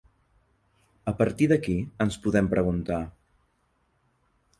A partir d'aquí ens podem preguntar: